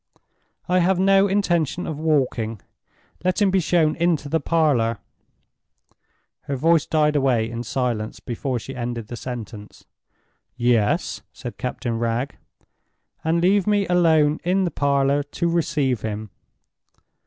"I have no intention of walking. Let him be shown into the parlor—" Her voice died away in silence before she ended the sentence. "Yes?" said Captain Wragge. "And leave me alone in the parlor to receive him."